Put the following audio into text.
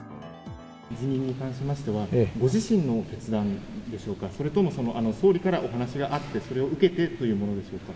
辞任に関しましては、ご自身の決断でしょうか、それとも総理からお話があって、それを受けてというものでしょうか。